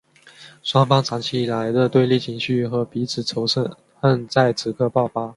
双方长期以来的对立情绪和彼此仇恨在此刻爆发。